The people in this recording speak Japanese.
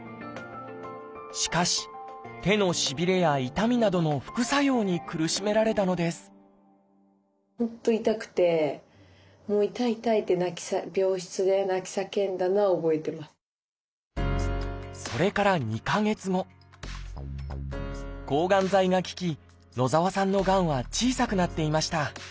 しかし手のしびれや痛みなどの副作用に苦しめられたのですもう痛い痛いってそれから２か月後抗がん剤が効き野澤さんのがんは小さくなっていました。